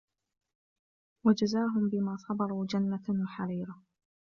وجزاهم بما صبروا جنة وحريرا